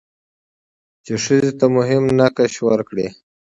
چې ښځې ته مهم نقش ورکړي؛